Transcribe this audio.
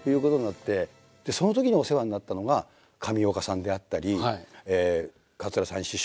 そのときにお世話になったのが上岡さんであったり桂三枝師匠